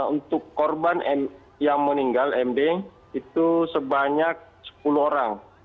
untuk korban yang meninggal md itu sebanyak sepuluh orang